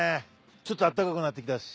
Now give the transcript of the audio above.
ちょっとあったかくなってきたし。